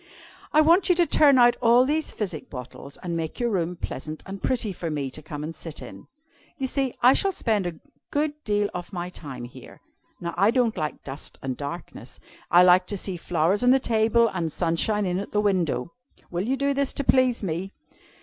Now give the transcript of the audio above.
"'I want you to turn out all these physic bottles, and make your room pleasant and pretty for me to come and sit in. You see, I shall spend a good deal of my time here! Now I don't like dust and darkness. I like to see flowers on the table, and sunshine in at the window. Will you do this to please me?'